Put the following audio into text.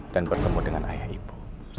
dan bertemu dengan ayah ibu